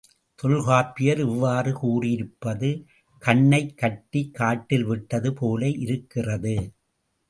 தொல்காப்பியர் இவ்வாறு கூறியிருப்பது, கண்ணைக் கட்டிக் காட்டில் விட்டது போல இருக்கிறது.